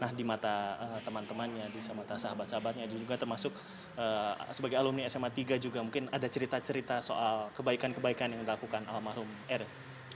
nah di mata teman temannya di semata sahabat sahabatnya dan juga termasuk sebagai alumni sma tiga juga mungkin ada cerita cerita soal kebaikan kebaikan yang dilakukan almarhum eril